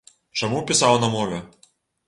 Чаму пісаў на мове?